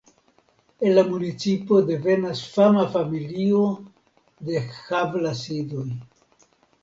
El la municipo devenas fama familio de Havlasidoj.